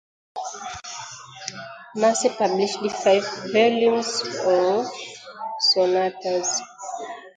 Masse published five volumes of sonatas.